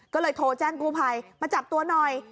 ก็เลยโทรแจ้งกู้ภัยมาจับตัวหน่อย